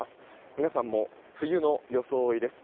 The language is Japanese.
皆さんも、冬の装いです。